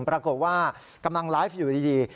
ปรากฏว่ากำลังไลฟ์อยู่ดี